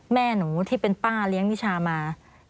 แม่หนูที่เป็นป้าเลี้ยงมิชามา